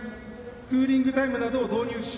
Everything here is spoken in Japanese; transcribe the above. クーリングタイムなどを導入し